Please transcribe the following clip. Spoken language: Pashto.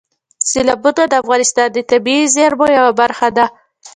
سیلابونه د افغانستان د طبیعي زیرمو یوه برخه ده.